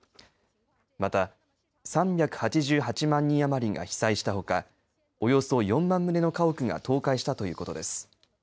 また３８８万人余りが被災したほかおよそ４万棟の家屋が倒壊したということです。